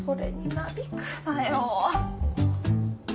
なびくなよ。